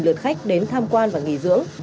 đã được dự kiến tham quan và nghỉ dưỡng